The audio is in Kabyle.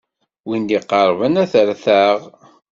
Win d-iqerrben ad t-retɛeɣ.